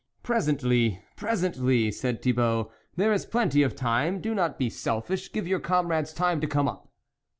" Presently, presently," said Thibault, " there is plenty of time ; do not be selfish, give your comrades time to come up."